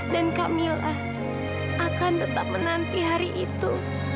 dan kamila akan tetap menanti hari itu